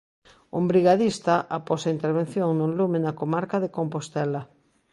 Un brigadista após a intervención nun lume na comarca de Compostela.